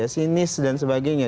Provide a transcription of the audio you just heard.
sinis dan sebagainya